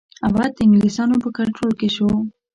اَوَد د انګلیسیانو په کنټرول کې شو.